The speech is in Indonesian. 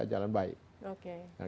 karena penerbangan kita sudah berjalan baik